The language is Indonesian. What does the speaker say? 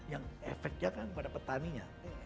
yang efeknya kan kepada petaninya